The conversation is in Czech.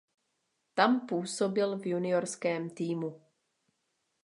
Tam působil v juniorském týmu.